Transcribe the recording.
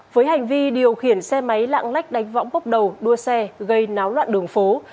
với hành vi điều khiển xe máy lạng lách đánh võng bốc đầu đua xe gây náo loạn đường phố